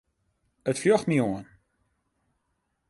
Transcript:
It fljocht my oan.